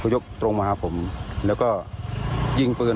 อยุดตรงมาผมแล้วก็ยิงปืน